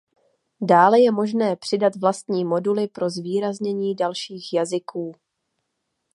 Dále je možné přidat vlastní moduly pro zvýraznění dalších jazyků.